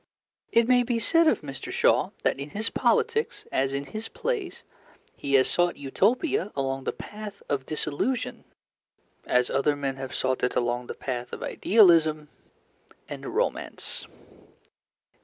It may be said of Mr. Shaw that in his politics, as in his plays, he has sought Utopia along the path of disillusion as other men have sought it along the path of idealism and romance.